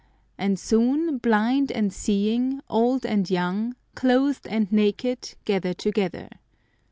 and soon blind and seeing, old and young, clothed and naked, gather together.